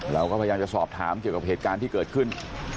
เราก็พยายามจะสอบถามเกี่ยวกับเหตุการณ์ที่เกิดขึ้น